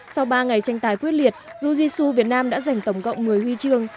sau ba ngày tranh tài quyết liệt jiu jitsu việt nam đã giành tổng cộng một mươi huy chương